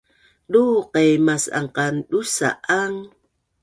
duuq i mas’an qan dusa ang?